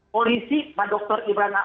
polisi pak dr imran